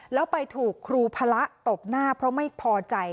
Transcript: แล้วไปถูกครูพระตบหน้าเพราะไม่พอใจ